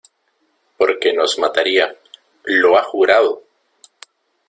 porque nos mataría... ¡ lo ha jurado! ...